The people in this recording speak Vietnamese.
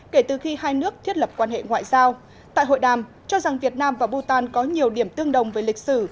kể từ khi hai nước thiết lập quan hệ ngoại giao tại hội đàm cho rằng việt nam và bù tàn có nhiều điểm tương đồng với lịch sử